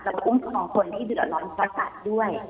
เราคุ้มครองคนที่เดือดร้อนเพราะสัตว์ด้วย